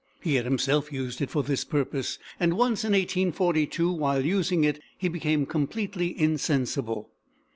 He had himself used it for this purpose, and once, in 1842, while using it, he became completely insensible.